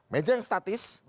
meja yang statis